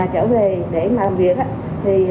trở về để làm việc